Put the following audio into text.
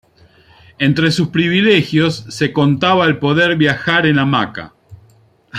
Entre sus privilegios, se contaba el poder viajar en hamaca.